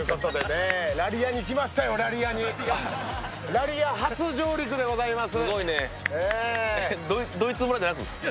ラリア、初上陸でございます